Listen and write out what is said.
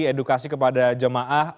edukasi kepada jamaah